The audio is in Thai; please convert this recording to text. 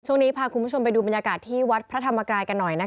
ช่วงนี้พาคุณผู้ชมไปดูบรรยากาศที่วัดพระธรรมกายกันหน่อย